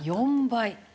４倍！